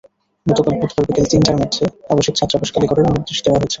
গতকাল বুধবার বিকেল তিনটার মধ্যে আবাসিক ছাত্রাবাস খালি করারও নির্দেশ দেওয়া হয়েছে।